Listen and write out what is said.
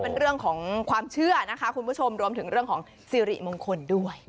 เป็นเรื่องของความเชื่อนะคะคุณผู้ชมรวมถึงเรื่องของสิริมงคลด้วย